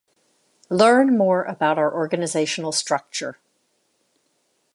learn more about our organizational structure.